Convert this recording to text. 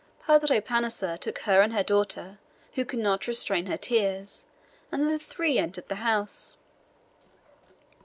Padre Passanha took her and her daughter, who could not restrain her tears, and the three entered the house.